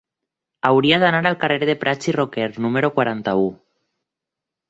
Hauria d'anar al carrer de Prats i Roquer número quaranta-u.